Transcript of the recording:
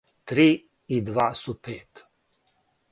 три и два су пет